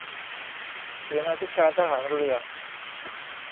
เสนาธิการทหารเรือ